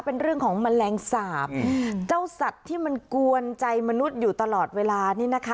เป็นเรื่องของแมลงสาปเจ้าสัตว์ที่มันกวนใจมนุษย์อยู่ตลอดเวลานี่นะคะ